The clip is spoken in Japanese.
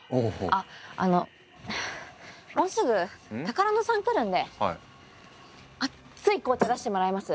あっあのもうすぐ宝野さん来るんであっつい紅茶出してもらえます？